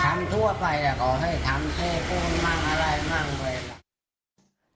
ทำทั่วไปอะขอให้ทำที่ได้คนบ้านอะไรบ้าน